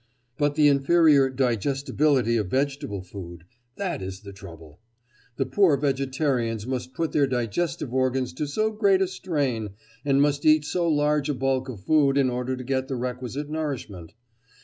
But the inferior digestibility of vegetable food—that is the trouble! The poor vegetarians must put their digestive organs to so great a strain, and must eat so large a bulk of food in order to get the requisite nourishment.